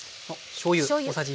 しょうゆ。